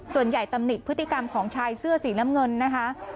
ส่วนใหญ่ตำหนิกพฤติกรรมของชายเสื้อสีล่ำเงินนะคะ